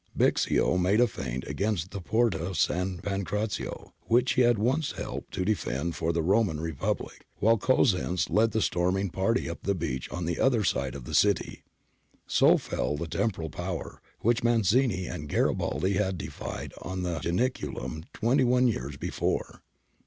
Bixio made a feint against the Porta San Pancrazio, which he had once helped to defend for the Roman Republic, while Cosenz led the storming party up the breach on the other side of the city. So fell the Temporal Power, which Mazzini and Garibaldi had defied on the Janiculum twenty one years before.